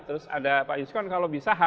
terus ada pak yuskon kalau bisa